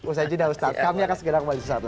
ushajidah ustaz kami akan segera kembali sesaat lagi